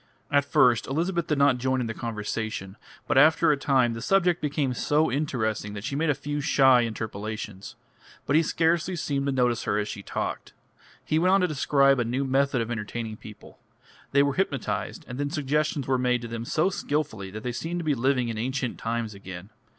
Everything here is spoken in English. At first Elizabeth did not join in the conversation, but after a time the subject became so interesting that she made a few shy interpolations. But he scarcely seemed to notice her as he talked. He went on to describe a new method of entertaining people. They were hypnotised, and then suggestions were made to them so skilfully that they seemed to be living in ancient times again.